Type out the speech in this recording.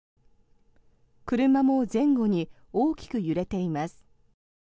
車も前後に大きく揺れています。